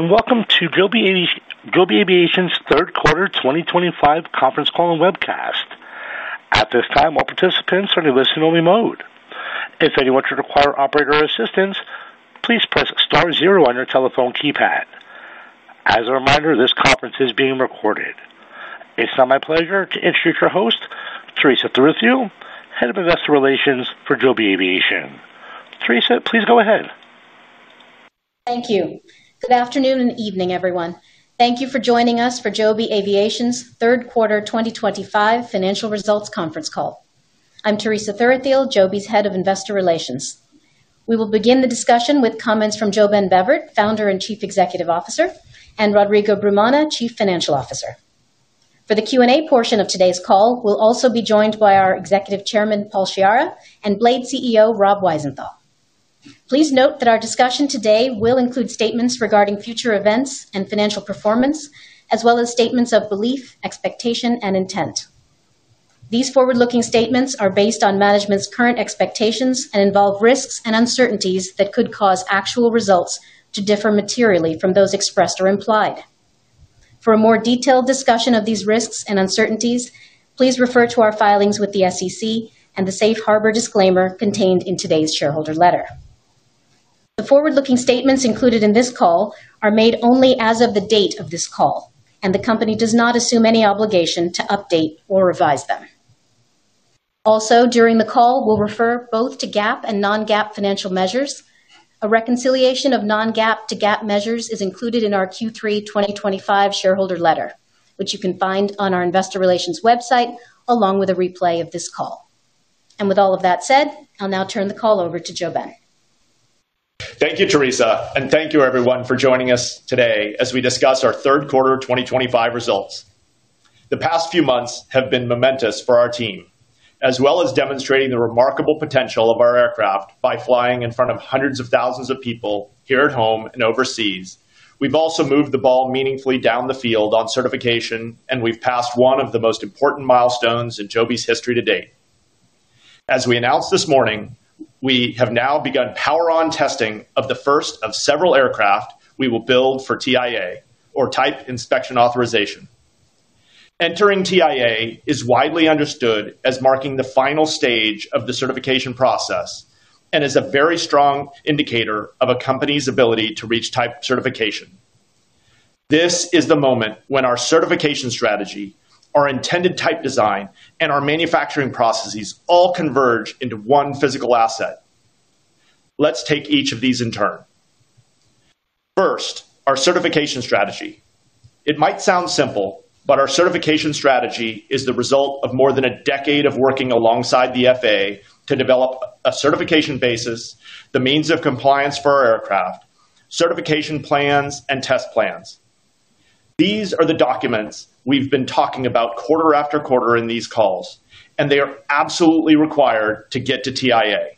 Welcome to Joby Aviation's third quarter 2025 conference call and webcast. At this time, all participants are in a listen-only mode. If anyone should require operator assistance, please press star zero on your telephone keypad. As a reminder, this conference is being recorded. It's now my pleasure to introduce our host, Teresa Thuruthiyil, Head of Investor Relations for Joby Aviation. Teresa, please go ahead. Thank you. Good afternoon and evening, everyone. Thank you for joining us for Joby Aviation's third quarter 2025 financial results conference call. I'm Teresa Thuruthiyil, Joby's Head of Investor Relations. We will begin the discussion with comments from JoeBen Bevirt, Founder and Chief Executive Officer, and Rodrigo Brumana, Chief Financial Officer. For the Q&A portion of today's call, we'll also be joined by our Executive Chairman, Paul Sciarra, and BLADE CEO, Rob Wiesenthal. Please note that our discussion today will include statements regarding future events and financial performance, as well as statements of belief, expectation, and intent. These forward-looking statements are based on management's current expectations and involve risks and uncertainties that could cause actual results to differ materially from those expressed or implied. For a more detailed discussion of these risks and uncertainties, please refer to our filings with the SEC and the safe harbor disclaimer contained in today's shareholder letter. The forward-looking statements included in this call are made only as of the date of this call, and the company does not assume any obligation to update or revise them. Also, during the call, we'll refer both to GAAP and non-GAAP financial measures. A reconciliation of non-GAAP to GAAP measures is included in our Q3 2025 shareholder letter, which you can find on our Investor Relations website along with a replay of this call. With all of that said, I'll now turn the call over to JoeBen Bevirt. Thank you, Teresa, and thank you, everyone, for joining us today as we discuss our third quarter 2025 results. The past few months have been momentous for our team, as well as demonstrating the remarkable potential of our aircraft by flying in front of hundreds of thousands of people here at home and overseas. We've also moved the ball meaningfully down the field on certification, and we've passed one of the most important milestones in Joby's history to date. As we announced this morning, we have now begun power-on testing of the first of several aircraft we will build for TIA, or Type Inspection Authorization. Entering TIA is widely understood as marking the final stage of the certification process. It is a very strong indicator of a company's ability to reach Type Certification. This is the moment when our certification strategy, our intended type design, and our manufacturing processes all converge into one physical asset. Let's take each of these in turn. First, our certification strategy. It might sound simple, but our certification strategy is the result of more than a decade of working alongside the FAA to develop a certification basis, the means of compliance for our aircraft, certification plans, and test plans. These are the documents we've been talking about quarter after quarter in these calls, and they are absolutely required to get to TIA.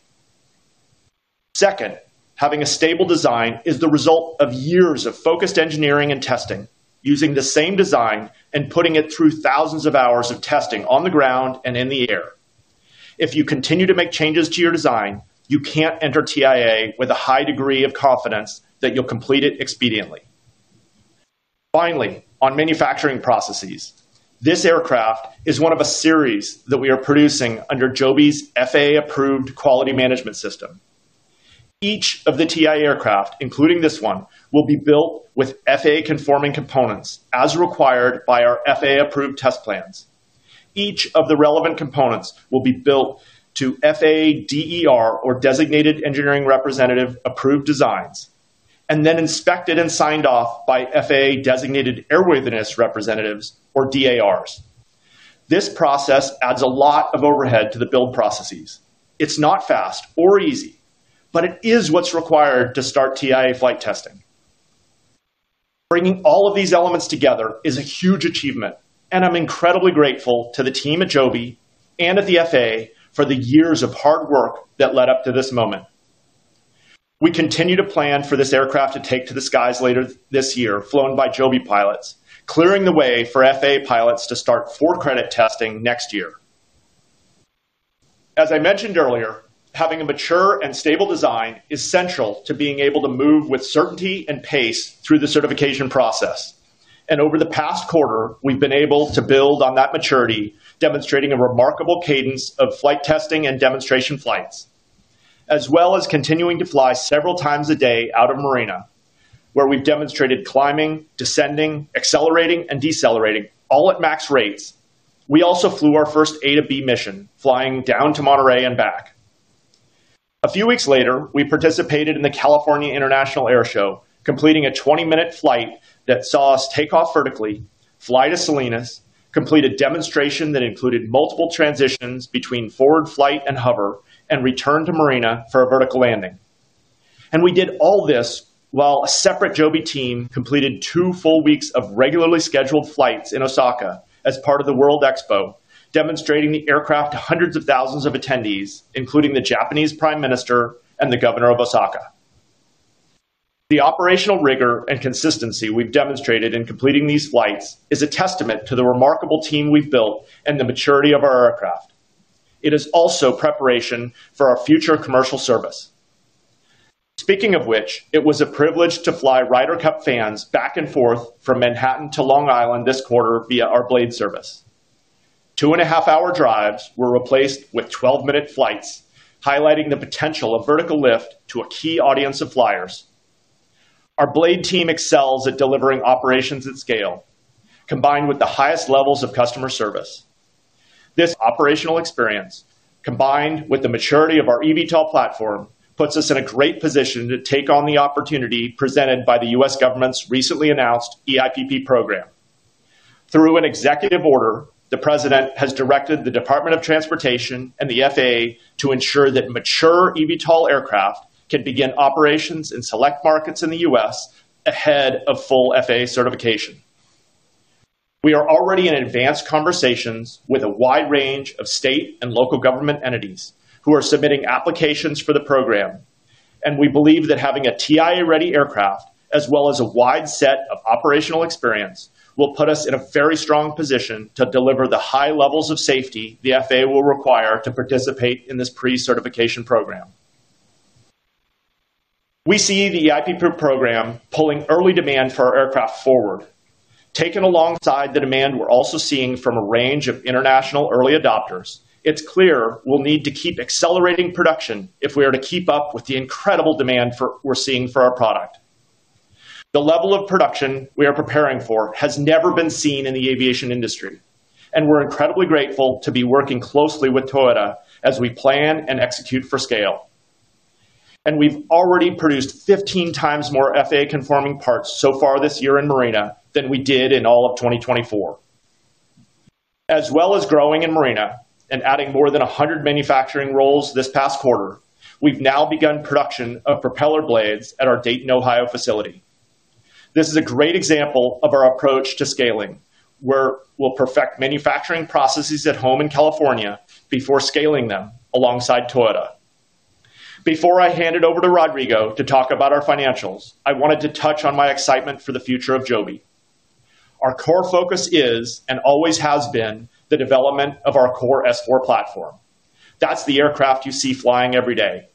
Second, having a stable design is the result of years of focused engineering and testing, using the same design and putting it through thousands of hours of testing on the ground and in the air. If you continue to make changes to your design, you can't enter TIA with a high degree of confidence that you'll complete it expediently. Finally, on manufacturing processes, this aircraft is one of a series that we are producing under Joby's FAA-approved quality management system. Each of the TIA aircraft, including this one, will be built with FAA-conforming components as required by our FAA-approved test plans. Each of the relevant components will be built to FAA DER, or Designated Engineering Representative-approved designs, and then inspected and signed off by FAA Designated Airworthiness Representatives, or DARs. This process adds a lot of overhead to the build processes. It's not fast or easy, but it is what's required to start TIA flight testing. Bringing all of these elements together is a huge achievement, and I'm incredibly grateful to the team at Joby and at the FAA for the years of hard work that led up to this moment. We continue to plan for this aircraft to take to the skies later this year, flown by Joby pilots, clearing the way for FAA pilots to start for-credit testing next year. As I mentioned earlier, having a mature and stable design is central to being able to move with certainty and pace through the certification process. Over the past quarter, we've been able to build on that maturity, demonstrating a remarkable cadence of flight testing and demonstration flights, as well as continuing to fly several times a day out of Marina, where we've demonstrated climbing, descending, accelerating, and decelerating, all at max rates. We also flew our first A to B mission, flying down to Monterey and back. A few weeks later, we participated in the California International Air Show, completing a 20-minute flight that saw us take off vertically, fly to Salinas, complete a demonstration that included multiple transitions between forward flight and hover, and return to Marina for a vertical landing. We did all this while a separate Joby team completed two full weeks of regularly scheduled flights in Osaka as part of the World Expo, demonstrating the aircraft to hundreds of thousands of attendees, including the Japanese Prime Minister and the Governor of Osaka. The operational rigor and consistency we have demonstrated in completing these flights is a testament to the remarkable team we have built and the maturity of our aircraft. It is also preparation for our future commercial service. Speaking of which, it was a privilege to fly Ryder Cup fans back and forth from Manhattan to Long Island this quarter via our BLADE service. Two and a half hour drives were replaced with 12-minute flights, highlighting the potential of vertical lift to a key audience of flyers. Our BLADE team excels at delivering operations at scale, combined with the highest levels of customer service. This operational experience, combined with the maturity of our eVTOL platform, puts us in a great position to take on the opportunity presented by the U.S. government's recently announced EIPP program. Through an executive order, the President has directed the Department of Transportation and the FAA to ensure that mature eVTOL aircraft can begin operations in select markets in the U.S. ahead of full FAA certification. We are already in advanced conversations with a wide range of state and local government entities who are submitting applications for the program. We believe that having a TIA-ready aircraft, as well as a wide set of operational experience, will put us in a very strong position to deliver the high levels of safety the FAA will require to participate in this pre-certification program. We see the EIPP program pulling early demand for our aircraft forward. Taken alongside the demand we're also seeing from a range of international early adopters, it's clear we'll need to keep accelerating production if we are to keep up with the incredible demand we're seeing for our product. The level of production we are preparing for has never been seen in the aviation industry, and we're incredibly grateful to be working closely with Toyota as we plan and execute for scale. We have already produced 15x more FAA-conforming parts so far this year in Marina than we did in all of 2024. As well as growing in Marina and adding more than 100 manufacturing roles this past quarter, we have now begun production of propeller blades at our Dayton, Ohio facility. This is a great example of our approach to scaling, where we will perfect manufacturing processes at home in California before scaling them alongside Toyota. Before I hand it over to Rodrigo to talk about our financials, I wanted to touch on my excitement for the future of Joby. Our core focus is, and always has been, the development of our core S4 platform. That is the aircraft you see flying every day.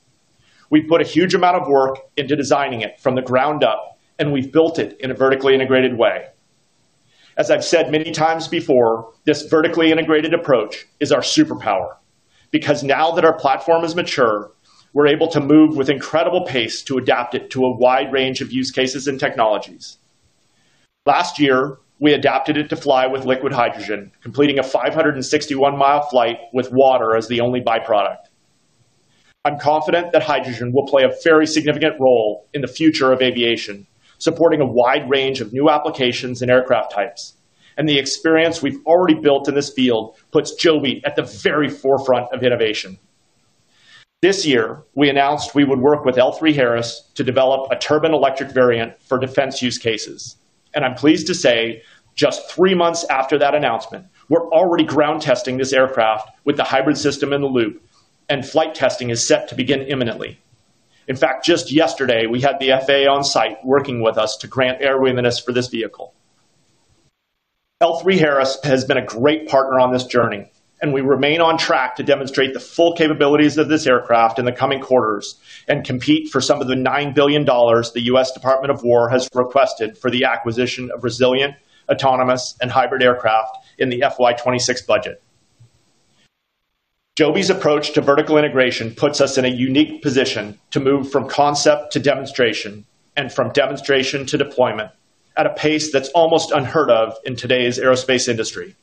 We have put a huge amount of work into designing it from the ground up, and we have built it in a vertically integrated way. As I've said many times before, this vertically integrated approach is our superpower. Because now that our platform is mature, we're able to move with incredible pace to adapt it to a wide range of use cases and technologies. Last year, we adapted it to fly with liquid hydrogen, completing a 561 mi flight with water as the only byproduct. I'm confident that hydrogen will play a very significant role in the future of aviation, supporting a wide range of new applications and aircraft types. The experience we've already built in this field puts Joby at the very forefront of innovation. This year, we announced we would work with L3Harris to develop a turbine-electric variant for defense use cases. I'm pleased to say, just three months after that announcement, we're already ground testing this aircraft with the hybrid system in the loop, and flight testing is set to begin imminently. In fact, just yesterday, we had the FAA on site working with us to grant airworthiness for this vehicle. L3Harris has been a great partner on this journey, and we remain on track to demonstrate the full capabilities of this aircraft in the coming quarters and compete for some of the $9 billion the U.S. Department of War has requested for the acquisition of resilient, autonomous, and hybrid aircraft in the FY 2026 budget. Joby's approach to vertical integration puts us in a unique position to move from concept to demonstration and from demonstration to deployment at a pace that's almost unheard of in today's aerospace industry.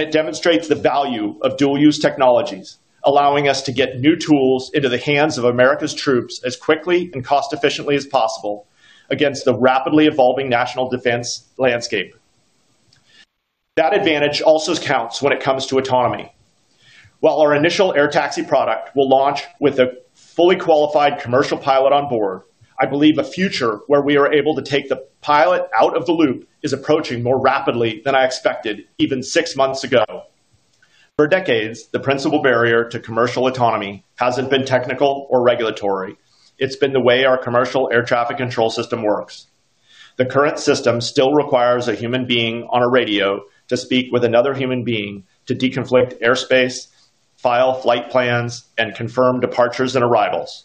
It demonstrates the value of dual-use technologies, allowing us to get new tools into the hands of America's troops as quickly and cost-efficiently as possible against the rapidly evolving national defense landscape. That advantage also counts when it comes to autonomy. While our initial air taxi product will launch with a fully qualified commercial pilot on board, I believe a future where we are able to take the pilot out of the loop is approaching more rapidly than I expected even six months ago. For decades, the principal barrier to commercial autonomy has not been technical or regulatory. It has been the way our commercial air traffic control system works. The current system still requires a human being on a radio to speak with another human being to deconflict airspace, file flight plans, and confirm departures and arrivals.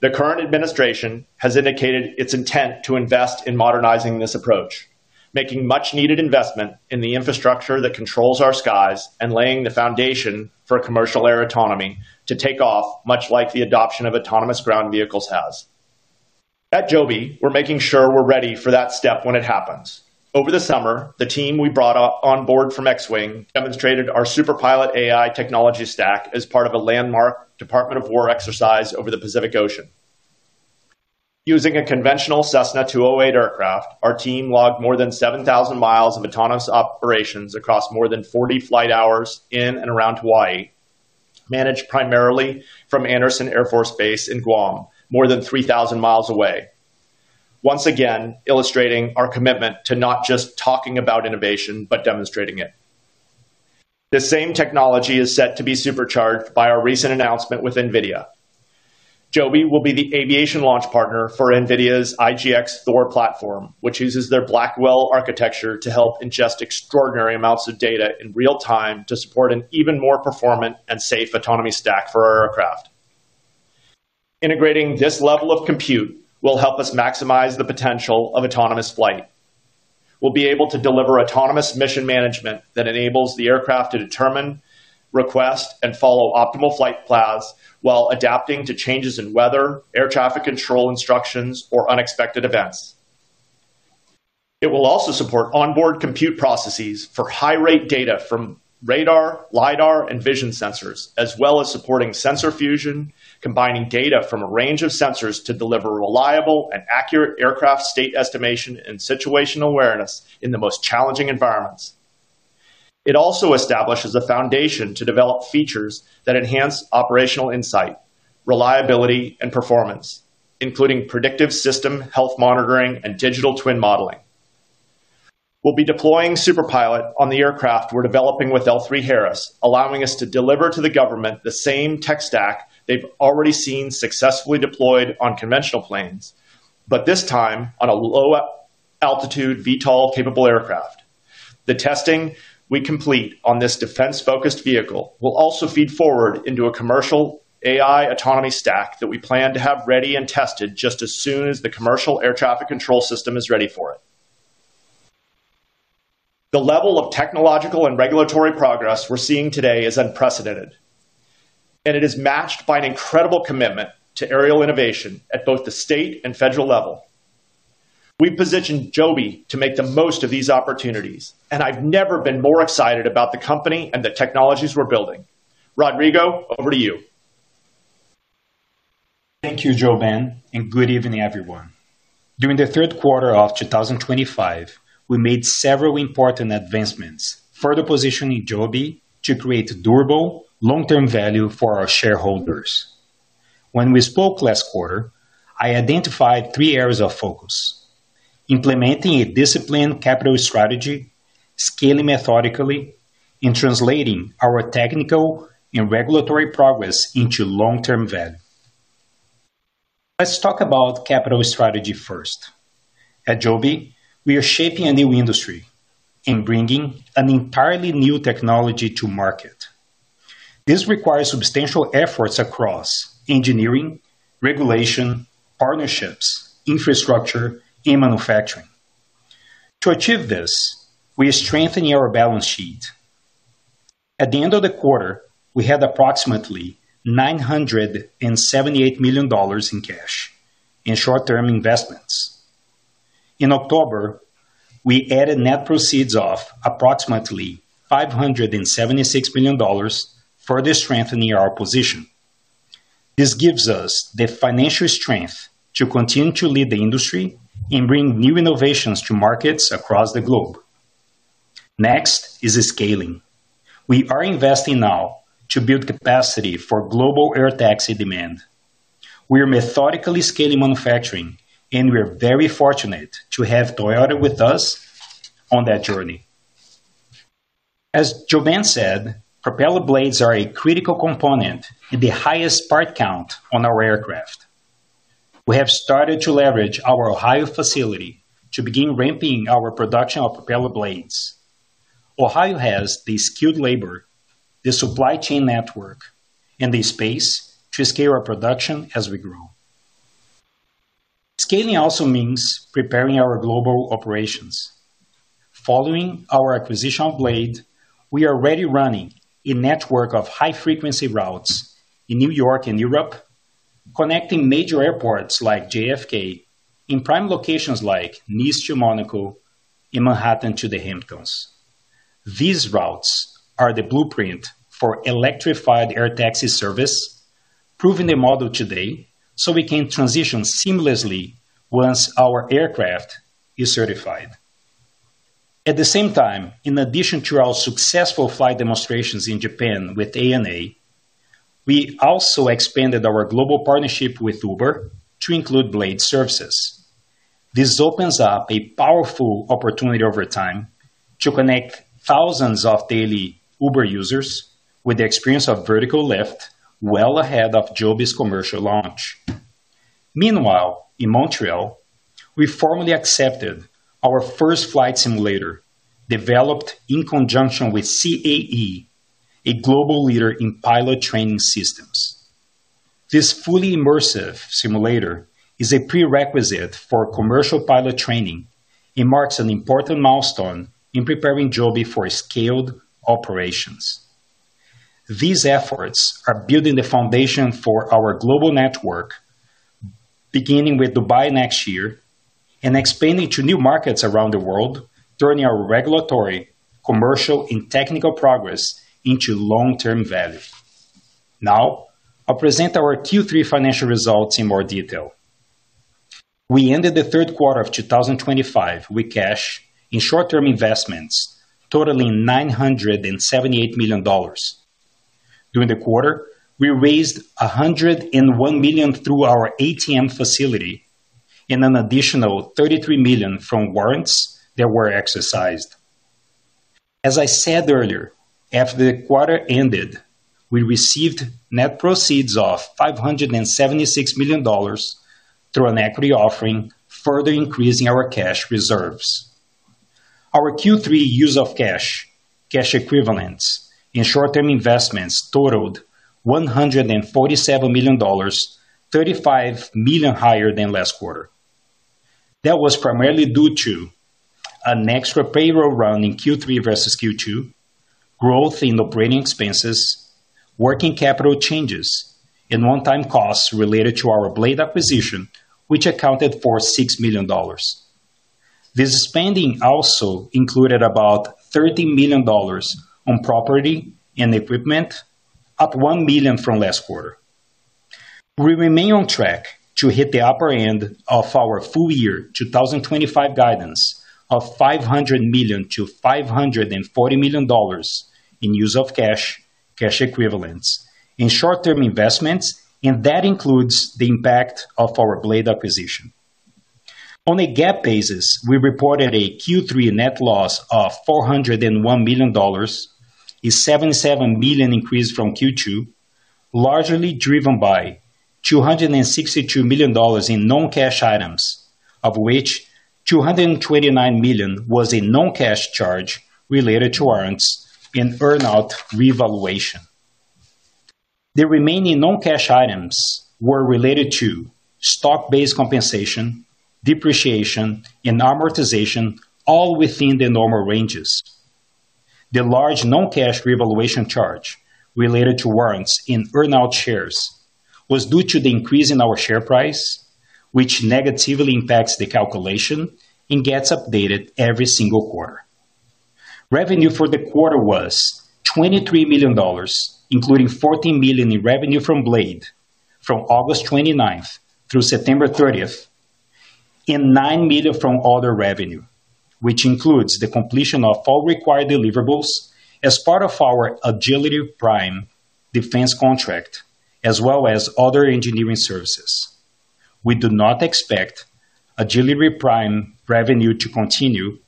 The current administration has indicated its intent to invest in modernizing this approach, making much-needed investment in the infrastructure that controls our skies and laying the foundation for commercial air autonomy to take off, much like the adoption of autonomous ground vehicles has. At Joby, we're making sure we're ready for that step when it happens. Over the summer, the team we brought on board from X-Wing demonstrated our Super Pilot AI technology stack as part of a landmark Department of War exercise over the Pacific Ocean. Using a conventional Cessna 208 aircraft, our team logged more than 7,000 mi of autonomous operations across more than 40 flight hours in and around Hawaii, managed primarily from Anderson Air Force Base in Guam, more than 3,000 mi away. Once again, illustrating our commitment to not just talking about innovation, but demonstrating it. The same technology is set to be supercharged by our recent announcement with NVIDIA. Joby will be the aviation launch partner for NVIDIA's IGX Thor platform, which uses their Blackwell architecture to help ingest extraordinary amounts of data in real time to support an even more performant and safe autonomy stack for our aircraft. Integrating this level of compute will help us maximize the potential of autonomous flight. We'll be able to deliver autonomous mission management that enables the aircraft to determine, request, and follow optimal flight paths while adapting to changes in weather, air traffic control instructions, or unexpected events. It will also support onboard compute processes for high-rate data from radar, lidar, and vision sensors, as well as supporting sensor fusion, combining data from a range of sensors to deliver reliable and accurate aircraft state estimation and situational awareness in the most challenging environments. It also establishes a foundation to develop features that enhance operational insight, reliability, and performance, including predictive system health monitoring and digital twin modeling. We'll be deploying Super Pilot on the aircraft we're developing with L3Harris, allowing us to deliver to the government the same tech stack they've already seen successfully deployed on conventional planes, but this time on a low-altitude VTOL-capable aircraft. The testing we complete on this defense-focused vehicle will also feed forward into a commercial AI autonomy stack that we plan to have ready and tested just as soon as the commercial air traffic control system is ready for it. The level of technological and regulatory progress we're seeing today is unprecedented. It is matched by an incredible commitment to aerial innovation at both the state and federal level. We've positioned Joby to make the most of these opportunities, and I've never been more excited about the company and the technologies we're building. Rodrigo, over to you. Thank you, JoeBen, and good evening, everyone. During the third quarter of 2025, we made several important advancements, further positioning Joby to create durable, long-term value for our shareholders. When we spoke last quarter, I identified three areas of focus: implementing a disciplined capital strategy, scaling methodically, and translating our technical and regulatory progress into long-term value. Let's talk about capital strategy first. At Joby, we are shaping a new industry and bringing an entirely new technology to market. This requires substantial efforts across engineering, regulation, partnerships, infrastructure, and manufacturing. To achieve this, we are strengthening our balance sheet. At the end of the quarter, we had approximately $978 million in cash and short-term investments. In October, we added net proceeds of approximately $576 million, further strengthening our position. This gives us the financial strength to continue to lead the industry and bring new innovations to markets across the globe. Next is scaling. We are investing now to build capacity for global air taxi demand. We are methodically scaling manufacturing, and we are very fortunate to have Toyota with us on that journey. As JoeBen said, propeller blades are a critical component and the highest part count on our aircraft. We have started to leverage our Ohio facility to begin ramping our production of propeller blades. Ohio has the skilled labor, the supply chain network, and the space to scale our production as we grow. Scaling also means preparing our global operations. Following our acquisition of BLADE, we are already running a network of high-frequency routes in New York and Europe, connecting major airports like JFK and prime locations like Nice to Monaco and Manhattan to the Hamptons. These routes are the blueprint for electrified air taxi service, proving the model today so we can transition seamlessly once our aircraft is certified. At the same time, in addition to our successful flight demonstrations in Japan with ANA, we also expanded our global partnership with Uber to include BLADE services. This opens up a powerful opportunity over time to connect thousands of daily Uber users with the experience of vertical lift well ahead of Joby's commercial launch. Meanwhile, in Montreal, we formally accepted our first flight simulator developed in conjunction with CAE, a global leader in pilot training systems. This fully immersive simulator is a prerequisite for commercial pilot training and marks an important milestone in preparing Joby for scaled operations. These efforts are building the foundation for our global network. Beginning with Dubai next year and expanding to new markets around the world, turning our regulatory, commercial, and technical progress into long-term value. Now, I'll present our Q3 financial results in more detail. We ended the third quarter of 2025 with cash and short-term investments, totaling $978 million. During the quarter, we raised $101 million through our ATM facility and an additional $33 million from warrants that were exercised. As I said earlier, after the quarter ended, we received net proceeds of $576 million through an equity offering, further increasing our cash reserves. Our Q3 use of cash, cash equivalents, and short-term investments totaled $147 million, $35 million higher than last quarter. That was primarily due to an extra payroll run in Q3 versus Q2, growth in operating expenses, working capital changes, and one-time costs related to our BLADE acquisition, which accounted for $6 million. This spending also included about $30 million on property and equipment, up $1 million from last quarter. We remain on track to hit the upper end of our full year 2025 guidance of $500 million-$540 millionin use of cash, cash equivalents, and short-term investments, and that includes the impact of our BLADE acquisition. On a GAAP basis, we reported a Q3 net loss of $401 million, a $77 million increase from Q2, largely driven by $262 million in non-cash items, of which $229 million was a non-cash charge related to warrants and earn-out revaluation. The remaining non-cash items were related to stock-based compensation, depreciation, and amortization, all within the normal ranges. The large non-cash revaluation charge related to warrants and earn-out shares was due to the increase in our share price, which negatively impacts the calculation and gets updated every single quarter. Revenue for the quarter was $23 million, including $14 million in revenue from BLADE from August 29 through September 30th. $9 million from other revenue, which includes the completion of all required deliverables as part of our Agility Prime defense contract, as well as other engineering services. We do not expect Agility Prime revenue to continue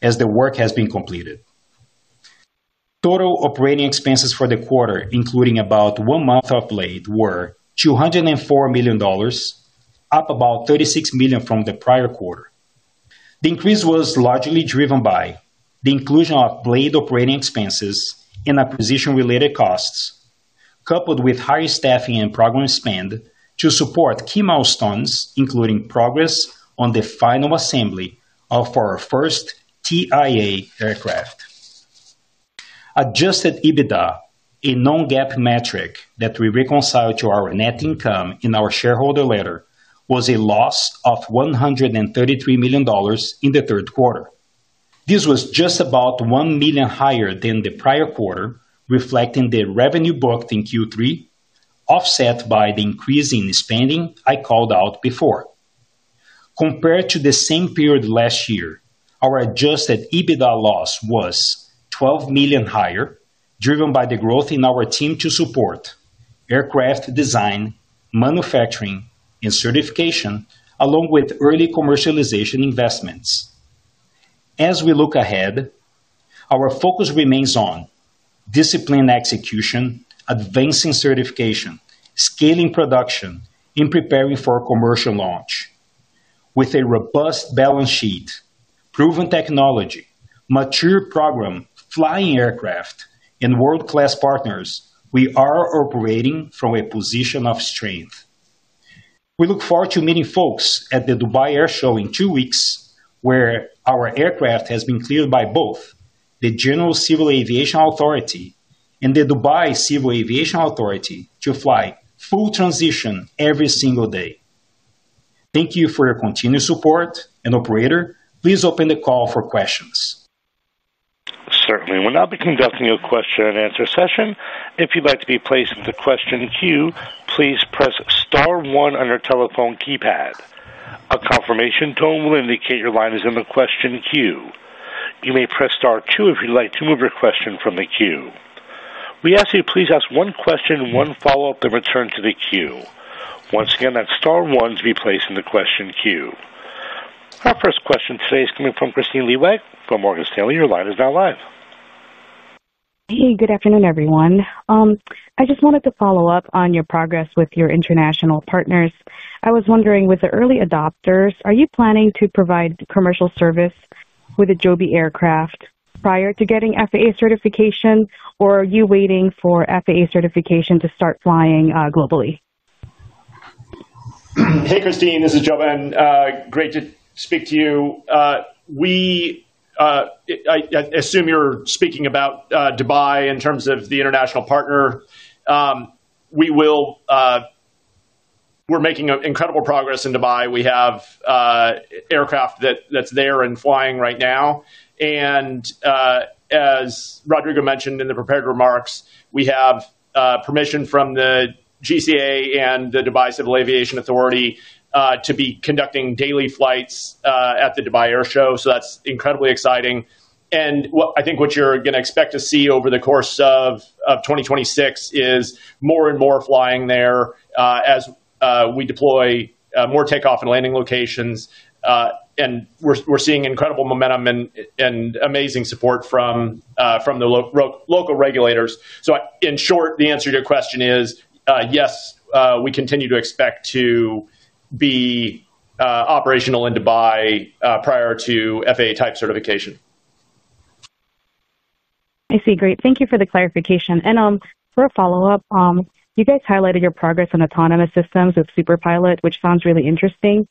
as the work has been completed. Total operating expenses for the quarter, including about one month of BLADE, were $204 million. Up about $36 million from the prior quarter. The increase was largely driven by the inclusion of BLADE operating expenses and acquisition-related costs, coupled with higher staffing and program spend to support key milestones, including progress on the final assembly of our first TIA aircraft. Adjusted EBITDA, a non-GAAP metric that we reconciled to our net income in our shareholder letter, was a loss of $133 million in the third quarter. This was just about $1 million higher than the prior quarter, reflecting the revenue booked in Q3, offset by the increase in spending I called out before. Compared to the same period last year, our adjusted EBITDA loss was $12 million higher, driven by the growth in our team to support aircraft design, manufacturing, and certification, along with early commercialization investments. As we look ahead, our focus remains on discipline, execution, advancing certification, scaling production, and preparing for commercial launch. With a robust balance sheet, proven technology, mature program, flying aircraft, and world-class partners, we are operating from a position of strength. We look forward to meeting folks at the Dubai Air Show in two weeks, where our aircraft has been cleared by both the General Civil Aviation Authority and the Dubai Civil Aviation Authority to fly full transition every single day. Thank you for your continued support and operator. Please open the call for questions. Certainly. We'll now be conducting a question-and-answer session. If you'd like to be placed in the question queue, please press star one on your telephone keypad. A confirmation tone will indicate your line is in the question queue. You may press star two if you'd like to move your question from the queue. We ask that you please ask one question, one follow-up, then return to the queue. Once again, that's star one to be placed in the question queue. Our first question today is coming from Christine Liwag from Morgan Stanley. Your line is now live. Hey, good afternoon, everyone. I just wanted to follow up on your progress with your international partners. I was wondering, with the early adopters, are you planning to provide commercial service with a Joby aircraft prior to getting FAA certification, or are you waiting for FAA certification to start flying globally? Hey, Kristine. This is JoeBen. Great to speak to you. I assume you're speaking about Dubai in terms of the international partner. We're making incredible progress in Dubai. We have an aircraft that's there and flying right now. As Rodrigo mentioned in the prepared remarks, we have permission from the GCAA and the Dubai Civil Aviation Authority to be conducting daily flights at the Dubai Air Show. That's incredibly exciting. I think what you're going to expect to see over the course of 2026 is more and more flying there as we deploy more takeoff and landing locations. We're seeing incredible momentum and amazing support from the local regulators. In short, the answer to your question is yes, we continue to expect to be operational in Dubai prior to FAA-type certification. I see. Great. Thank you for the clarification. For a follow-up, you guys highlighted your progress on autonomous systems with Super Pilot, which sounds really interesting.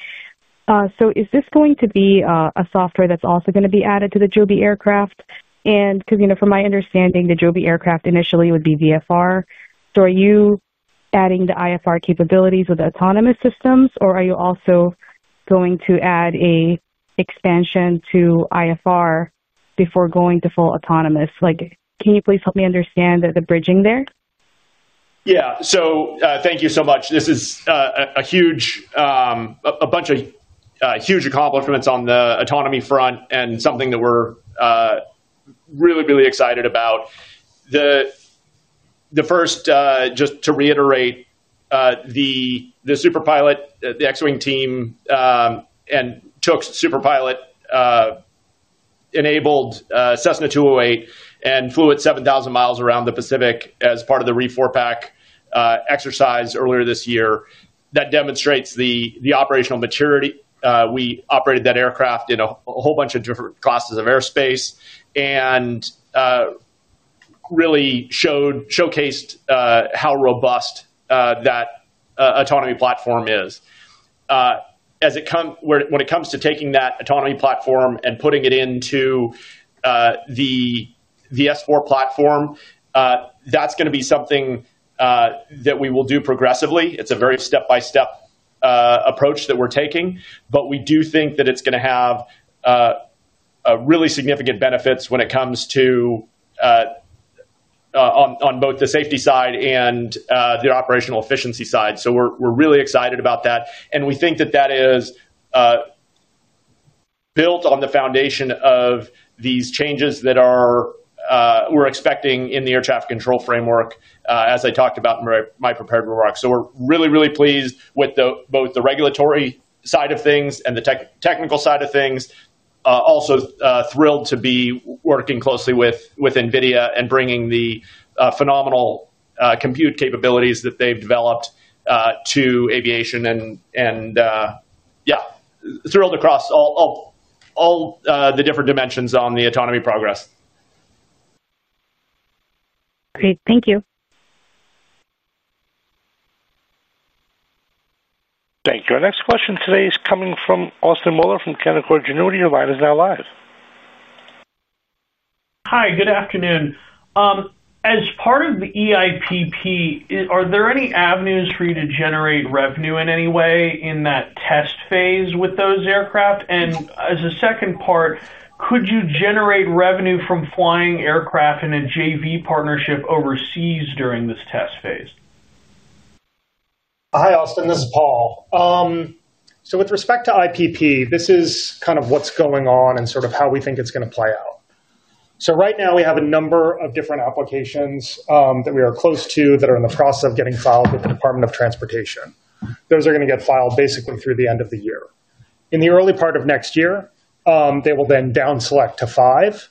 Is this going to be a software that's also going to be added to the Joby aircraft? Because from my understanding, the Joby aircraft initially would be VFR, so are you adding the IFR capabilities with autonomous systems, or are you also going to add an expansion to IFR before going to full autonomous? Can you please help me understand the bridging there? Yeah. Thank you so much. This is a huge bunch of huge accomplishments on the autonomy front and something that we're really, really excited about. First, just to reiterate, the Super Pilot, the X-Wing team, and took Super Pilot, enabled Cessna 208 and flew it 7,000 mi around the Pacific as part of the REFORPAC exercise earlier this year. That demonstrates the operational maturity. We operated that aircraft in a whole bunch of different classes of airspace and really showcased how robust that autonomy platform is. When it comes to taking that autonomy platform and putting it into the S4 platform, that's going to be something that we will do progressively. It's a very step-by-step approach that we're taking. We do think that it's going to have really significant benefits when it comes to. On both the safety side and the operational efficiency side. We're really excited about that. We think that that is built on the foundation of these changes that we're expecting in the air traffic control framework, as I talked about in my prepared remarks. We're really, really pleased with both the regulatory side of things and the technical side of things. Also thrilled to be working closely with NVIDIA and bringing the phenomenal compute capabilities that they've developed to aviation. Yeah, thrilled across all the different dimensions on the autonomy progress. Great. Thank you. Thank you. Our next question today is coming from Austin Moeller from Canaccord Genuity. Your line is now live. Hi. Good afternoon. As part of the EIPP, are there any avenues for you to generate revenue in any way in that test phase with those aircraft? As a second part, could you generate revenue from flying aircraft in a JV partnership overseas during this test phase? Hi, Austin. This is Paul. With respect to EIPP, this is kind of what's going on and sort of how we think it's going to play out. Right now, we have a number of different applications that we are close to that are in the process of getting filed with the Department of Transportation. Those are going to get filed basically through the end of the year. In the early part of next year, they will then downselect to five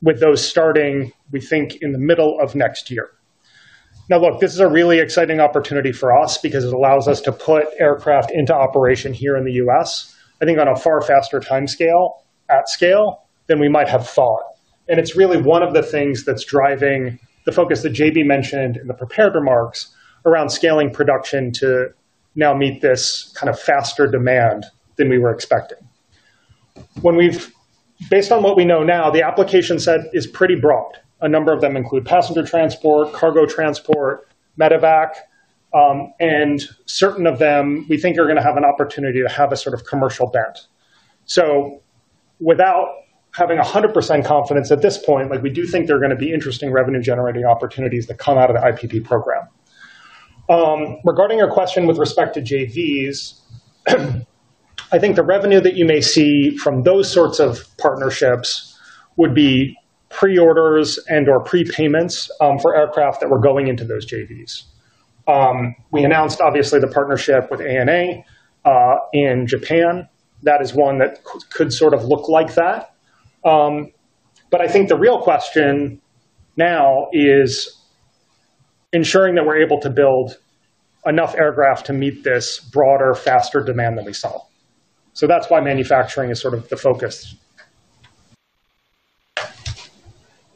with those starting, we think, in the middle of next year. This is a really exciting opportunity for us because it allows us to put aircraft into operation here in the U.S., I think, on a far faster timescale than we might have thought. It is really one of the things that is driving the focus that JB mentioned in the prepared remarks around scaling production to now meet this kind of faster demand than we were expecting. Based on what we know now, the application set is pretty broad. A number of them include passenger transport, cargo transport, medevac. Certain of them, we think, are going to have an opportunity to have a sort of commercial bent. Without having 100% confidence at this point, we do think there are going to be interesting revenue-generating opportunities that come out of the IPP program. Regarding your question with respect to JVs, I think the revenue that you may see from those sorts of partnerships would be pre-orders and/or prepayments for aircraft that were going into those JVs. We announced, obviously, the partnership with ANA in Japan. That is one that could sort of look like that. I think the real question now is ensuring that we're able to build enough aircraft to meet this broader, faster demand that we saw. That's why manufacturing is sort of the focus.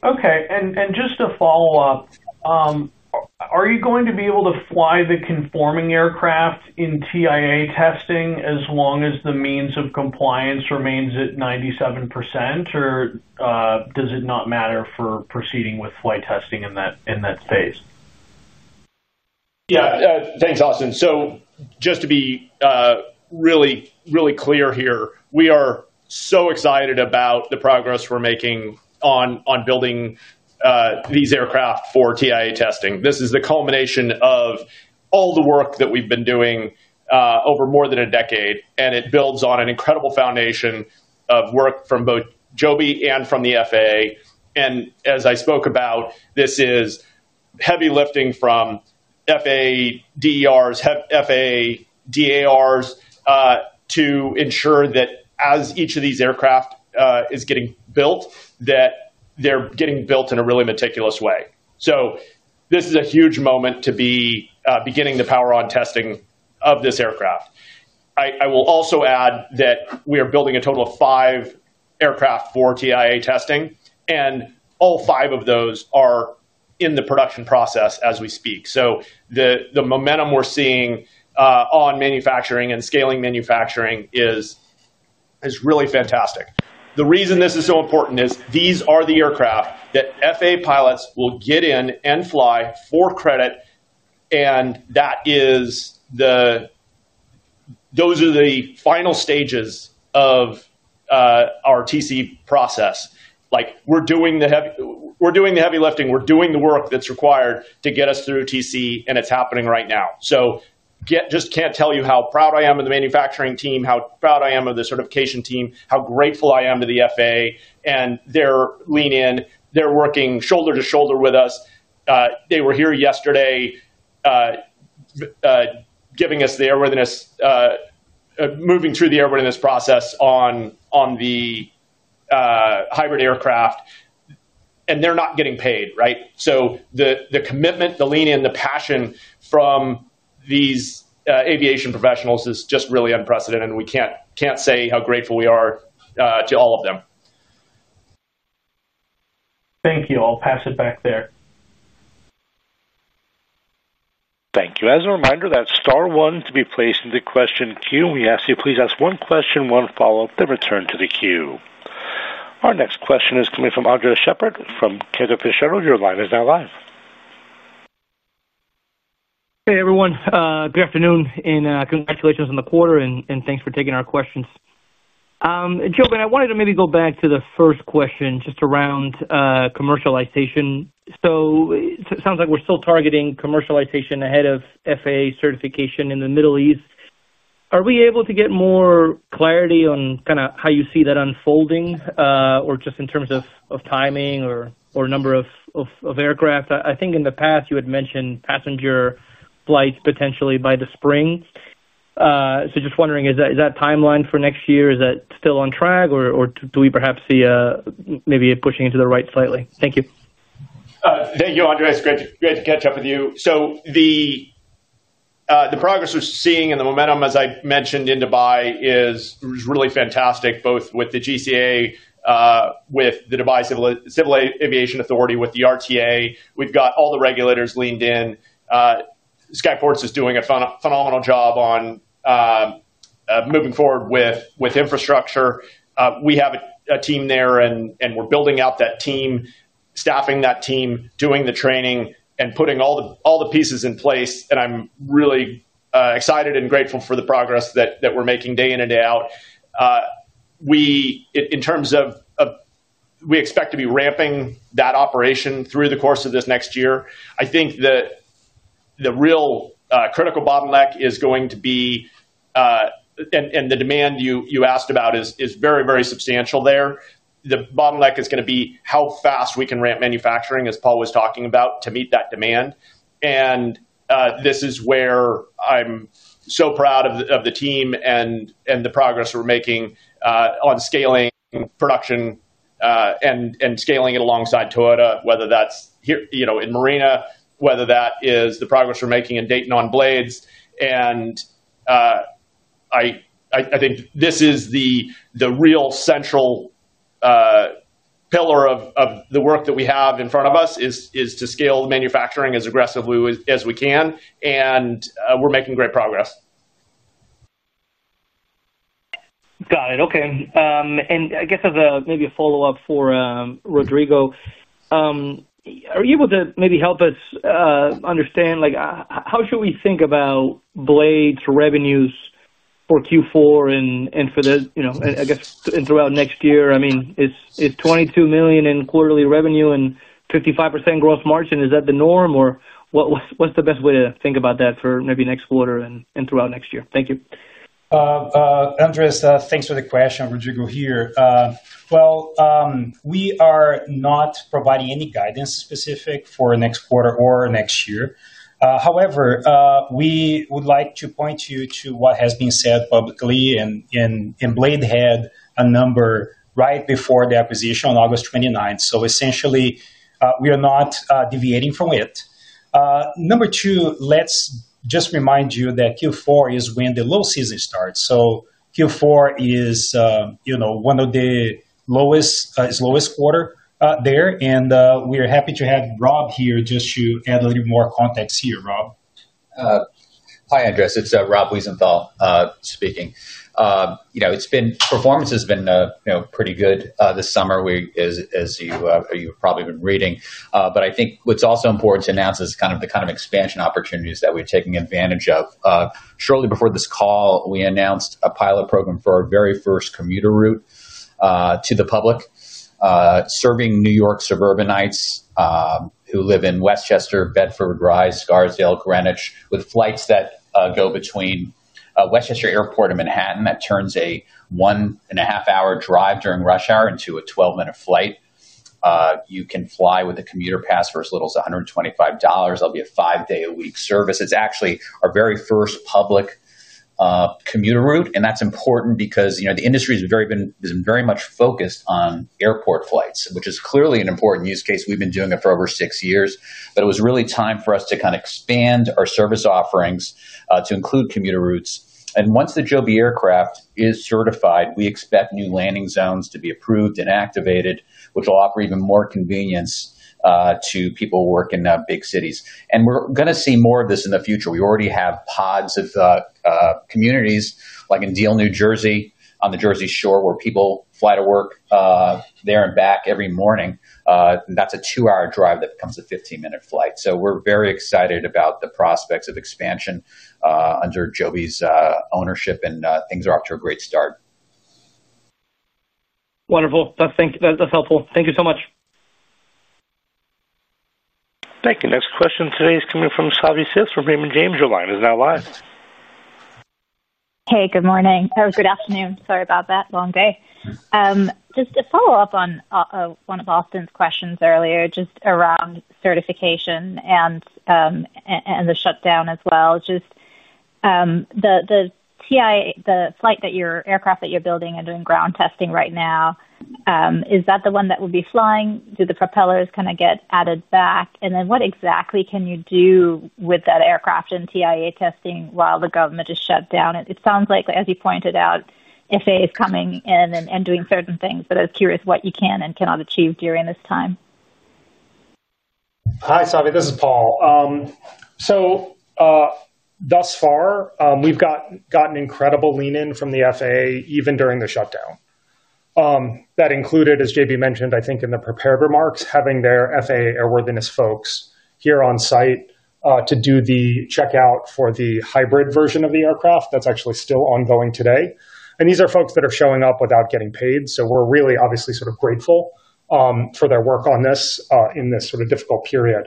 Okay. Just to follow up, are you going to be able to fly the conforming aircraft in TIA testing as long as the means of compliance remains at 97%, or does it not matter for proceeding with flight testing in that phase? Yeah. Thanks, Austin. Just to be really clear here, we are so excited about the progress we're making on building these aircraft for TIA testing. This is the culmination of all the work that we've been doing over more than a decade, and it builds on an incredible foundation of work from both Joby and from the FAA. As I spoke about, this is heavy lifting from FAA DARs to ensure that as each of these aircraft is getting built, that they're getting built in a really meticulous way. This is a huge moment to be beginning the power-on testing of this aircraft. I will also add that we are building a total of five aircraft for TIA testing, and all five of those are in the production process as we speak. The momentum we're seeing on manufacturing and scaling manufacturing is really fantastic. The reason this is so important is these are the aircraft that FAA pilots will get in and fly for credit, and those are the final stages of our TC process. We're doing the heavy lifting. We're doing the work that's required to get us through TC, and it's happening right now. Just can't tell you how proud I am of the manufacturing team, how proud I am of the certification team, how grateful I am to the FAA and their lean-in. They're working shoulder to shoulder with us. They were here yesterday, giving us the airworthiness, moving through the airworthiness process on the hybrid aircraft and they're not getting paid, right? The commitment, the lean-in, the passion from these aviation professionals is just really unprecedented, and we can't say how grateful we are to all of them. Thank you. I'll pass it back there. Thank you. As a reminder, that's star one to be placed in the question queue. We ask that you please ask one question, one follow-up, then return to the queue. Our next question is coming from [Andre Shepard]. Your line is now live. Hey, everyone. Good afternoon. Congratulations on the quarter, and thanks for taking our questions. JoeBen, I wanted to maybe go back to the first question just around commercialization. It sounds like we're still targeting commercialization ahead of FAA certification in the Middle East. Are we able to get more clarity on kind of how you see that unfolding, or just in terms of timing or number of aircraft? I think in the past, you had mentioned passenger flights potentially by the spring. Just wondering, is that timeline for next year? Is that still on track, or do we perhaps see maybe it pushing into the right slightly? Thank you. Thank you, Andre. It's great to catch up with you. The progress we're seeing and the momentum, as I mentioned, in Dubai is really fantastic, both with the GCA, with the Dubai Civil Aviation Authority, with the RTA. We've got all the regulators leaned in. Skyports is doing a phenomenal job on moving forward with infrastructure. We have a team there, and we're building out that team, staffing that team, doing the training, and putting all the pieces in place. I'm really excited and grateful for the progress that we're making day in and day out. In terms of, we expect to be ramping that operation through the course of this next year. I think the real critical bottleneck is going to be, and the demand you asked about is very, very substantial there. The bottleneck is going to be how fast we can ramp manufacturing, as Paul was talking about, to meet that demand. This is where I'm so proud of the team and the progress we're making on scaling production and scaling it alongside Toyota, whether that's in Marina, whether that is the progress we're making in Dayton on BLADE's. I think this is the real central pillar of the work that we have in front of us, to scale manufacturing as aggressively as we can. We're making great progress. Got it. Okay. I guess as maybe a follow-up for Rodrigo. Are you able to maybe help us understand how should we think about BLADE's revenues for Q4 and for the, I guess, and throughout next year? I mean, is $22 million in quarterly revenue and 55% gross margin, is that the norm, or what's the best way to think about that for maybe next quarter and throughout next year? Thank you. Andres, thanks for the question. Rodrigo here. We are not providing any guidance specific for next quarter or next year. However we would like to point you to what has been said publicly and BLADE had a number right before the acquisition on August 29. So essentially, we are not deviating from it. Number two, let's just remind you that Q4 is when the low season starts. So Q4 is one of the lowest quarters there. We are happy to have Rob here just to add a little more context here. Rob. Hi, Andres. It's Rob Wiesenthal speaking. Performance has been pretty good this summer, as you've probably been reading. I think what's also important to announce is kind of the kind of expansion opportunities that we're taking advantage of. Shortly before this call, we announced a pilot program for our very first commuter route to the public, serving New York suburbanites who live in Westchester, Bedford, Rye, Scarsdale, Greenwich, with flights that go between Westchester Airport and Manhattan that turns a one-and-a-half-hour drive during rush hour into a 12-minute flight. You can fly with a commuter pass for as little as $125. That'll be a five-day-a-week service. It's actually our very first public commuter route. That's important because the industry has been very much focused on airport flights, which is clearly an important use case, we've been doing it for over six years. It was really time for us to kind of expand our service offerings to include commuter routes. Once the Joby aircraft is certified, we expect new landing zones to be approved and activated, which will offer even more convenience to people working in big cities. We're going to see more of this in the future. We already have pods of communities like in Deal, New Jersey, on the Jersey Shore, where people fly to work. There and back every morning. That's a two-hour drive that becomes a 15-minute flight. We're very excited about the prospects of expansion under Joby's ownership, and things are off to a great start. Wonderful. That's helpful. Thank you so much. Thank you. Next question today is coming from Savi Syth from Raymond James. Your line is now live. Hey, good morning. Oh, good afternoon. Sorry about that long day. Just to follow up on one of Austin's questions earlier, just around certification and the shutdown as well. The flight that your aircraft that you're building and doing ground testing right now, is that the one that will be flying? Do the propellers kind of get added back? And then what exactly can you do with that aircraft in TIA testing while the government is shut down? It sounds like, as you pointed out, FAA is coming in and doing certain things, but I was curious what you can and cannot achieve during this time. Hi, Savi. This is Paul. Thus far, we've gotten incredible lean-in from the FAA even during the shutdown. That included, as JB mentioned, I think, in the prepared remarks, having their FAA airworthiness folks here on site to do the checkout for the hybrid version of the aircraft. That's actually still ongoing today. These are folks that are showing up without getting paid. We're really, obviously, sort of grateful for their work on this in this sort of difficult period.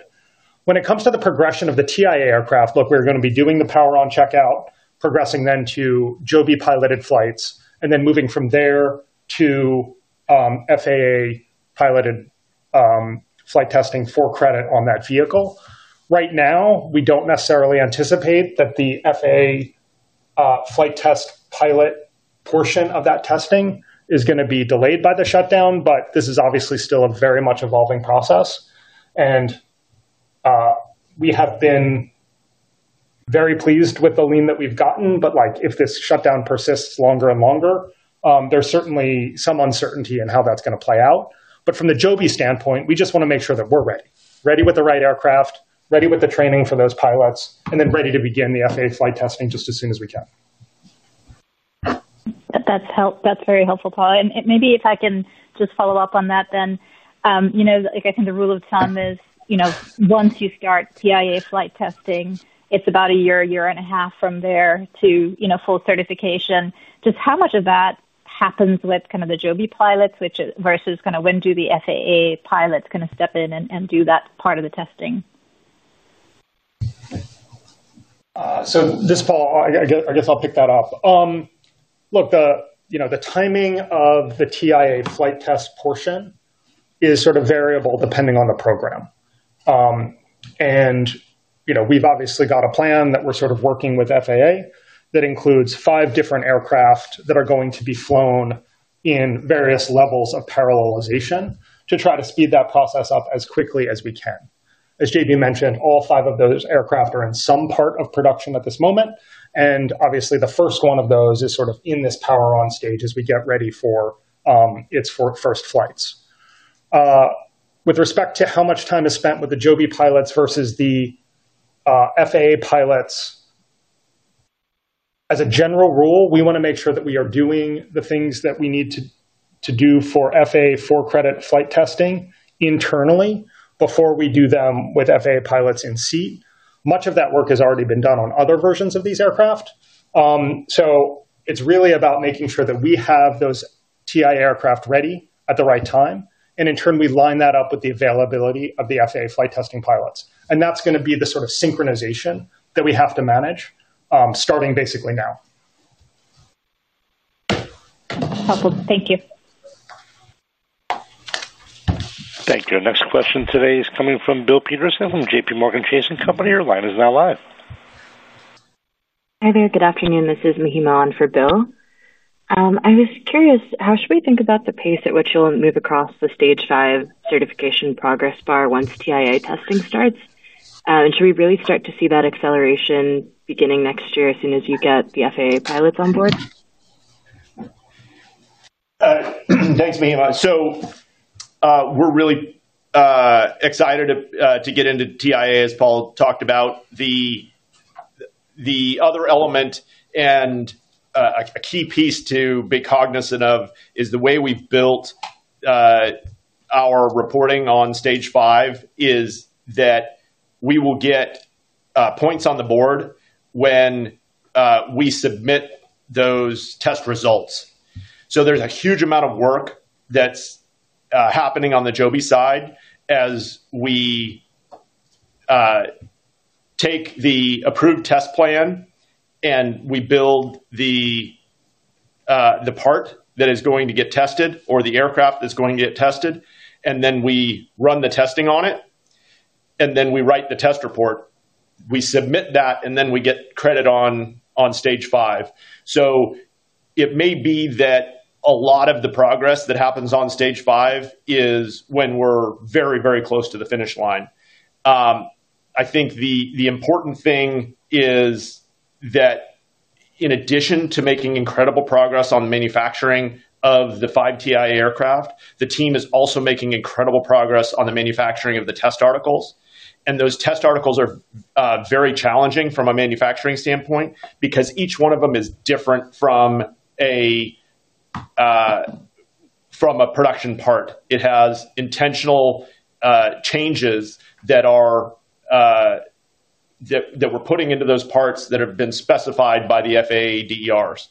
When it comes to the progression of the TIA aircraft, look, we're going to be doing the power-on checkout, progressing then to Joby-piloted flights, and then moving from there to FAA-piloted flight testing for credit on that vehicle. Right now, we do not necessarily anticipate that the FAA flight test pilot portion of that testing is going to be delayed by the shutdown. This is obviously still a very much evolving process. We have been very pleased with the lean that we have gotten, but if this shutdown persists longer and longer, there is certainly some uncertainty in how that is going to play out. From the Joby standpoint, we just want to make sure that we are ready. Ready with the right aircraft, ready with the training for those pilots, and then ready to begin the FAA flight testing just as soon as we can. That is very helpful, Paul. Maybe if I can just follow up on that, then. I think the rule of thumb is once you start TIA flight testing, it is about a year, a year and a half from there to full certification. Just how much of that happens with kind of the Joby pilots versus kind of when do the FAA pilots kind of step in and do that part of the testing? This is Paul, I guess I'll pick that up. Look, the timing of the TIA flight test portion is sort of variable depending on the program. We've obviously got a plan that we're sort of working with FAA that includes five different aircraft that are going to be flown in various levels of parallelization to try to speed that process up as quickly as we can. As JB mentioned, all five of those aircraft are in some part of production at this moment. Obviously, the first one of those is sort of in this power-on stage as we get ready for its first flights. With respect to how much time is spent with the Joby pilots versus the FAA pilots, as a general rule, we want to make sure that we are doing the things that we need to do for FAA for credit flight testing internally before we do them with FAA pilots in seat. Much of that work has already been done on other versions of these aircraft. It is really about making sure that we have those TIA aircraft ready at the right time. In turn, we line that up with the availability of the FAA flight testing pilots. That is going to be the sort of synchronization that we have to manage starting basically now. Helpful. Thank you. Thank you. Next question today is coming from Bill Peterson from JPMorgan Chase & Co. Your line is now live. Hi there. Good afternoon. This is Mahim on for Bill. I was curious, how should we think about the pace at which you'll move across the Stage 5 certification progress bar once TIA testing starts? Should we really start to see that acceleration beginning next year as soon as you get the FAA pilots on board? Thanks, Mahim. We're really excited to get into TIA, as Paul talked about. The other element, and a key piece to be cognizant of, is the way we've built our reporting on Stage 5 is that we will get points on the board when we submit those test results. There's a huge amount of work that's happening on the Joby side as we take the approved test plan and we build the part that is going to get tested or the aircraft that's going to get tested, and then we run the testing on it and then we write the test report. We submit that, and then we get credit on Stage 5. It may be that a lot of the progress that happens on Stage 5 is when we're very, very close to the finish line. I think the important thing is that, in addition to making incredible progress on the manufacturing of the five TIA aircraft, the team is also making incredible progress on the manufacturing of the test articles. Those test articles are very challenging from a manufacturing standpoint because each one of them is different from a production part. It has intentional changes that we're putting into those parts that have been specified by the FAA DERs.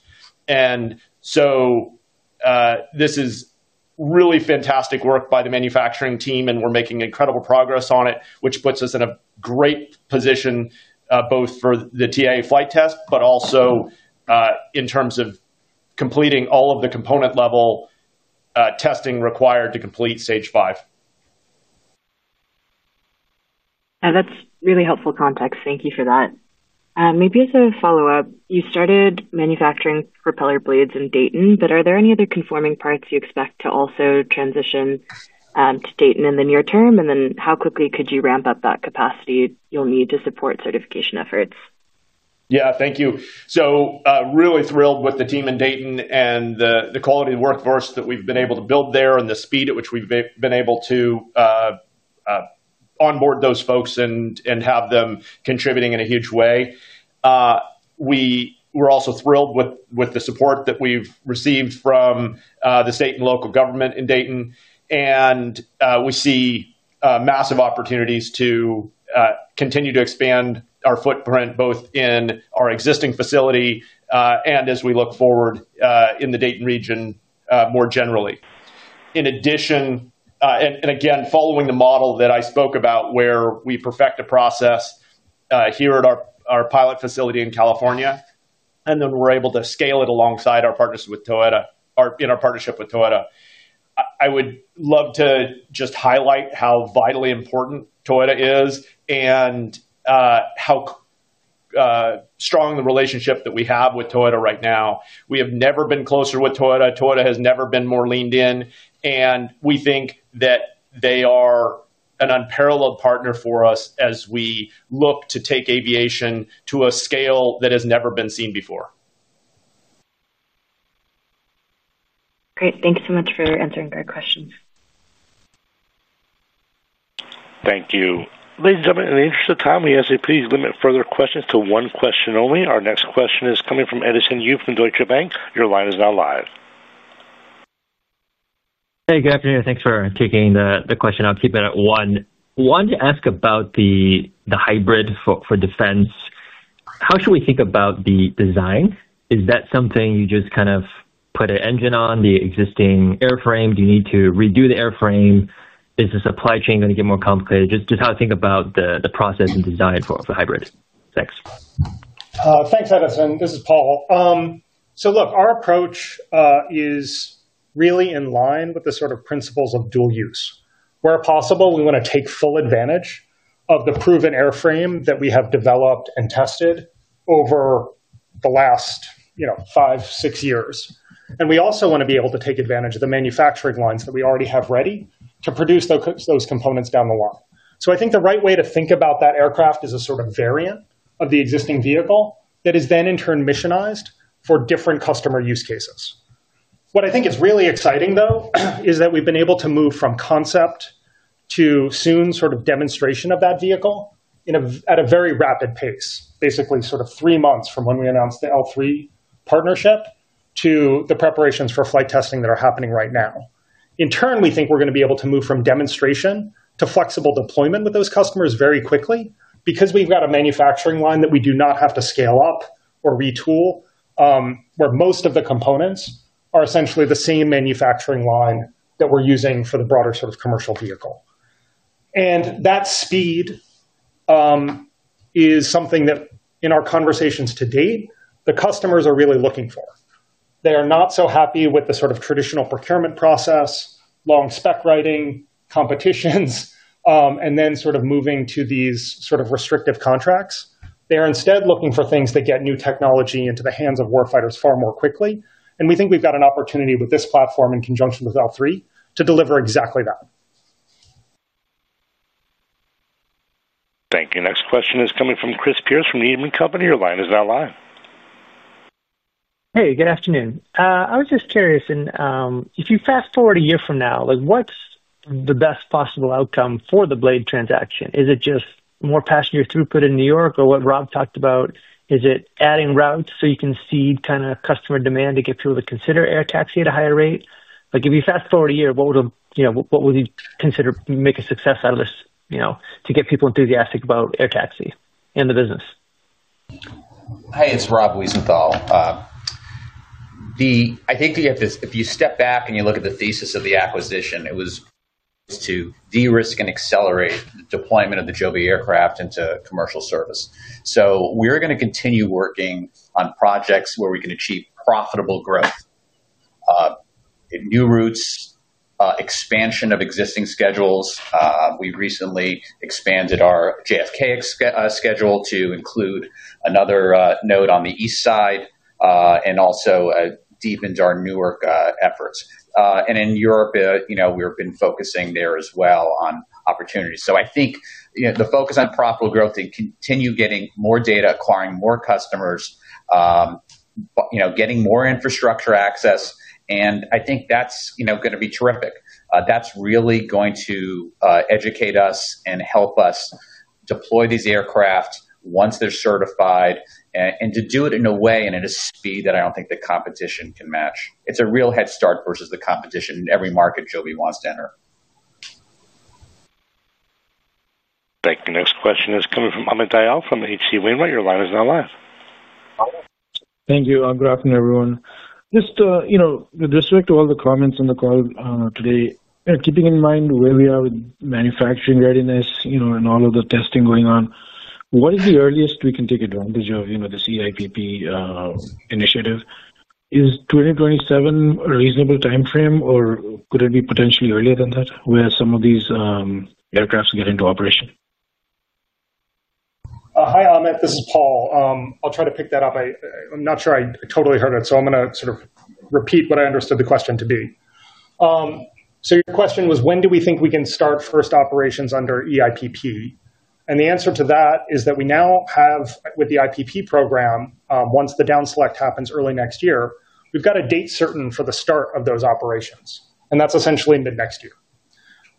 This is really fantastic work by the manufacturing team, and we're making incredible progress on it, which puts us in a great position both for the TIA flight test, but also in terms of completing all of the component-level testing required to complete Stage 5. That's really helpful context. Thank you for that. Maybe as a follow-up, you started manufacturing propeller blades in Dayton, but are there any other conforming parts you expect to also transition to Dayton in the near-term? And then how quickly could you ramp up that capacity you'll need to support certification efforts? Yeah. Thank you. Really thrilled with the team in Dayton and the quality of the workforce that we've been able to build there and the speed at which we've been able to onboard those folks and have them contributing in a huge way. We're also thrilled with the support that we've received from the state and local government in Dayton. We see massive opportunities to continue to expand our footprint both in our existing facility and as we look forward in the Dayton region more generally. Again, following the model that I spoke about where we perfect a process here at our pilot facility in California, and then we're able to scale it alongside our partners in our partnership with Toyota. I would love to just highlight how vitally important Toyota is and how strong the relationship that we have with Toyota right now. We have never been closer with Toyota. Toyota has never been more leaned in, and we think that they are an unparalleled partner for us as we look to take aviation to a scale that has never been seen before. Great. Thank you so much for answering our questions. Thank you. Ladies and gentlemen, in the interest of time, we ask that you please limit further questions to one question only. Our next question is coming from Edison Yu from Deutsche Bank. Your line is now live. Hey, good afternoon. Thanks for taking the question. I'll keep it at one. I wanted to ask about the hybrid for defense. How should we think about the design? Is that something you just kind of put an engine on the existing airframe? Do you need to redo the airframe? Is the supply chain going to get more complicated? Just how to think about the process and design for hybrid. Thanks. Thanks, Edison. This is Paul. So look, our approach is really in line with the sort of principles of dual use. Where possible, we want to take full advantage of the proven airframe that we have developed and tested over the last five, six years. We also want to be able to take advantage of the manufacturing lines that we already have ready to produce those components down the line. I think the right way to think about that aircraft is a sort of variant of the existing vehicle that is then, in turn, missionized for different customer use cases. What I think is really exciting, though, is that we've been able to move from concept to soon sort of demonstration of that vehicle at a very rapid pace, basically sort of three months from when we announced the L3Harris partnership to the preparations for flight testing that are happening right now. In turn, we think we're going to be able to move from demonstration to flexible deployment with those customers very quickly because we've got a manufacturing line that we do not have to scale up or retool where most of the components are essentially the same manufacturing line that we're using for the broader sort of commercial vehicle. That speed is something that, in our conversations to date, the customers are really looking for. They are not so happy with the sort of traditional procurement process. Long spec writing, competitions, and then sort of moving to these sort of restrictive contracts. They are instead looking for things that get new technology into the hands of warfighters far more quickly. We think we've got an opportunity with this platform in conjunction with L3Harris Technologies to deliver exactly that. Thank you. Next question is coming from Chris Pierce from Needham & Company. Your line is now live. Hey, good afternoon. I was just curious, if you fast forward a year from now, what's the best possible outcome for the BLADE transaction? Is it just more passenger throughput in New York or what Rob talked about? Is it adding routes so you can seed kind of customer demand to get people to consider air taxi at a higher rate? If you fast forward a year, what would you consider to make a success out of this to get people enthusiastic about air taxi and the business? Hi, it's Rob Wiesenthal. I think if you step back and you look at the thesis of the acquisition, it was to de-risk and accelerate the deployment of the Joby aircraft into commercial service. We are going to continue working on projects where we can achieve profitable growth. New routes, expansion of existing schedules, we recently expanded our JFK schedule to include another node on the east side and also we deepened our Newark efforts. In Europe, we have been focusing there as well on opportunities. I think the focus on profitable growth and continue getting more data, acquiring more customers, getting more infrastructure access. I think that's going to be terrific. That's really going to educate us and help us deploy these aircraft once they're certified and to do it in a way and at a speed that I don't think the competition can match. It's a real head start versus the competition in every market Joby wants to enter. Thank you. Next question is coming from Amit Dayal from H.C. Wainwright. Your line is now live. Thank you. Good afternoon, everyone. Just with respect to all the comments on the call today, keeping in mind where we are with manufacturing readiness and all of the testing going on, what is the earliest we can take advantage of this EIPP initiative? Is 2027 a reasonable time frame, or could it be potentially earlier than that where some of these aircraft get into operation? Hi, Amit. This is Paul. I'll try to pick that up. I'm not sure I totally heard it, so I'm going to sort of repeat what I understood the question to be. Your question was, when do we think we can start first operations under EIPP? The answer to that is that we now have, with the IPP program, once the down select happens early next year, we've got a date certain for the start of those operations. That's essentially mid-next year.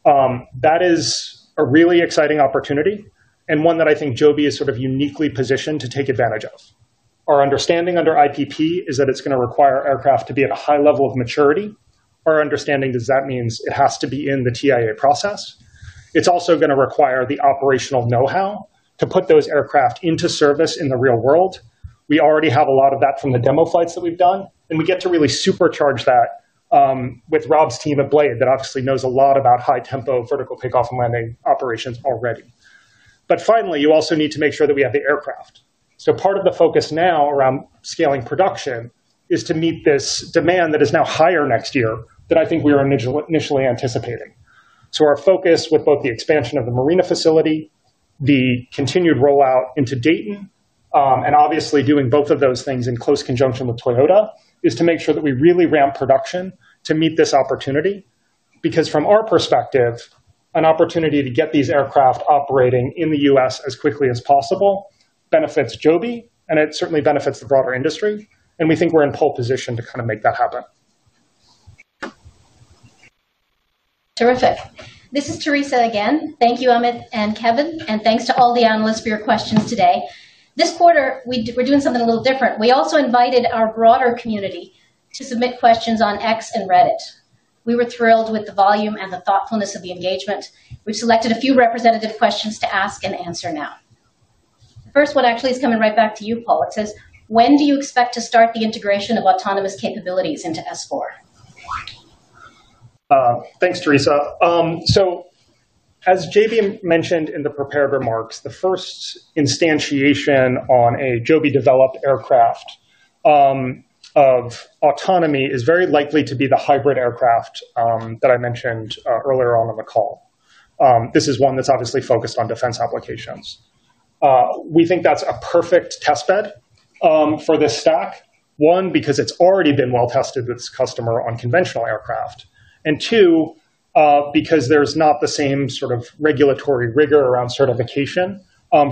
That is a really exciting opportunity and one that I think Joby is sort of uniquely positioned to take advantage of. Our understanding under IPP is that it's going to require aircraft to be at a high level of maturity. Our understanding is that means it has to be in the TIA process. It is also going to require the operational know-how to put those aircraft into service in the real world. We already have a lot of that from the demo flights that we have done, and we get to really supercharge that. With Rob's team at BLADE that obviously knows a lot about high-tempo vertical takeoff and landing operations already. Finally, you also need to make sure that we have the aircraft. Part of the focus now around scaling production is to meet this demand that is now higher next year than I think we were initially anticipating. Our focus with both the expansion of the Marina facility, the continued rollout into Dayton, and obviously doing both of those things in close conjunction with Toyota is to make sure that we really ramp production to meet this opportunity because, from our perspective, an opportunity to get these aircraft operating in the U.S. as quickly as possible benefits Joby, and it certainly benefits the broader industry. We think we're in pole position to kind of make that happen. Terrific. This is Teresa again. Thank you, Amit and Kevin, and thanks to all the analysts for your questions today. This quarter, we're doing something a little different. We also invited our broader community to submit questions on X and Reddit. We were thrilled with the volume and the thoughtfulness of the engagement. We've selected a few representative questions to ask and answer now. The first one actually is coming right back to you, Paul. It says, "When do you expect to start the integration of autonomous capabilities into S4?" Thanks, Teresa. As JB mentioned in the prepared remarks, the first instantiation on a Joby-developed aircraft of autonomy is very likely to be the hybrid aircraft that I mentioned earlier on in the call. This is one that's obviously focused on defense applications. We think that's a perfect test bed for this stack, one, because it's already been well tested with its customer on conventional aircraft, and two, because there's not the same sort of regulatory rigor around certification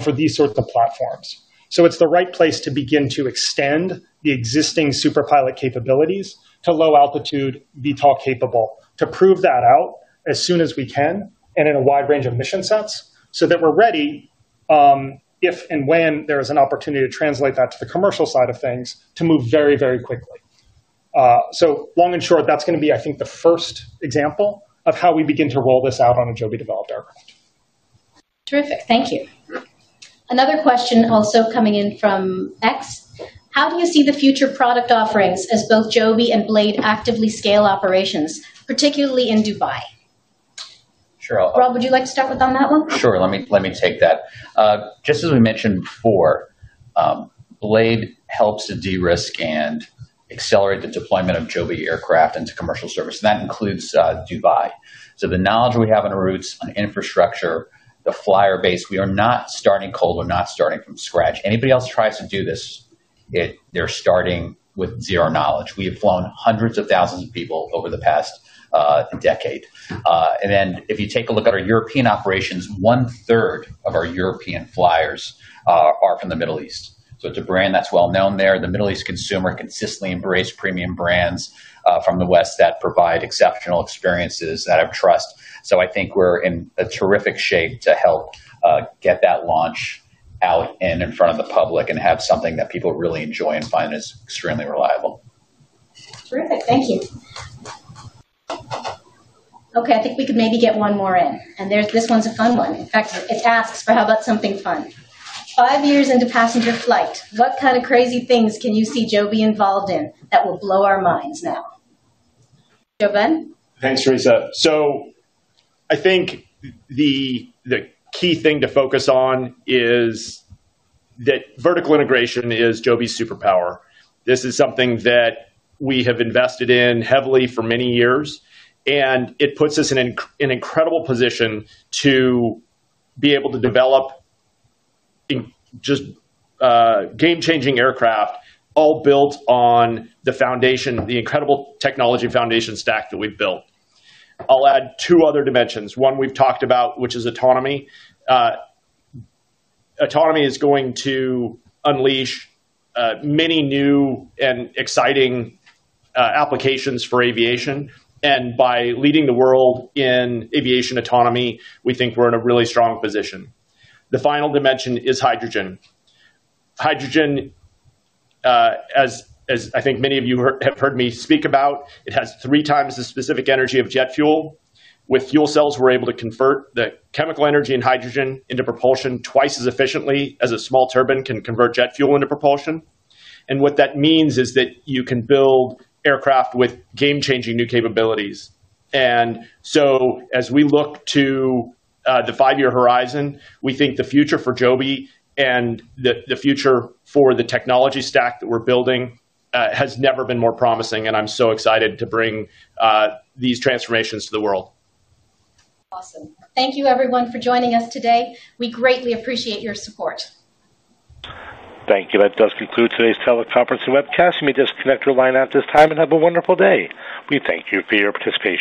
for these sorts of platforms. It's the right place to begin to extend the existing Super Pilot capabilities to low altitude, VTOL capable. To prove that out as soon as we can and in a wide range of mission sets so that we're ready if and when there is an opportunity to translate that to the commercial side of things to move very, very quickly. Long and short, that's going to be, I think, the first example of how we begin to roll this out on a Joby-developed aircraft. Terrific. Thank you. Another question also coming in from X. "How do you see the future product offerings as both Joby and BLADE actively scale operations, particularly in Dubai?" Rob, would you like to start with on that one? Sure. Let me take that. Just as we mentioned before, BLADE helps to de-risk and accelerate the deployment of Joby aircraft into commercial service and that includes Dubai. The knowledge we have on routes, on infrastructure, the flyer base, we are not starting cold. We're not starting from scratch. Anybody else tries to do this, they're starting with zero knowledge. We have flown hundreds of thousands of people over the past decade. If you take a look at our European operations, 1/3 of our European flyers are from the Middle East. It is a brand that's well-known there. The Middle East consumer consistently embraces premium brands from the West that provide exceptional experiences that have trust. I think we're in terrific shape to help get that launch out and in front of the public and have something that people really enjoy and find is extremely reliable. Terrific. Thank you. I think we could maybe get one more in. This one's a fun one. In fact, it asks for, "How about something fun?" Five years into passenger flight, what kind of crazy things can you see Joby involved in that will blow our minds now? JoeBen? Thanks, Teresa. I think the key thing to focus on is that vertical integration is Joby's superpower. This is something that we have invested in heavily for many years, and it puts us in an incredible position to be able to develop just game-changing aircraft all built on the incredible technology foundation stack that we've built. I'll add two other dimensions. One we've talked about, which is autonomy. Autonomy is going to unleash many new and exciting applications for aviation. By leading the world in aviation autonomy, we think we're in a really strong position. The final dimension is hydrogen. Hydrogen, as I think many of you have heard me speak about, it has 3x the specific energy of jet fuel. With fuel cells, we're able to convert the chemical energy in hydrogen into propulsion twice as efficiently as a small turbine can convert jet fuel into propulsion. What that means is that you can build aircraft with game-changing new capabilities. As we look to the five-year horizon, we think the future for Joby and the future for the technology stack that we're building has never been more promising. I'm so excited to bring these transformations to the world. Awesome. Thank you, everyone, for joining us today. We greatly appreciate your support. Thank you. That does conclude today's teleconference and webcast. You may disconnect your line at this time and have a wonderful day. We thank you for your participation.